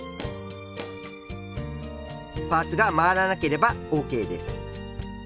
パーツが回らなければＯＫです。